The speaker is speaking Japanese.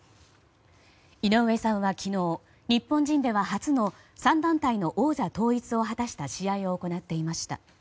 井上さんは昨日日本人では初の３団体の王座統一を果たした試合を行っていました。